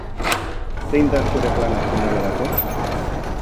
Zein da zure plana finalerako?